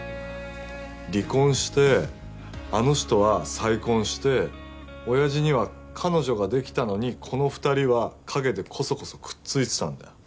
離婚してあの人は再婚しておやじには彼女ができたのにこの２人は陰でコソコソくっついてたんだよ。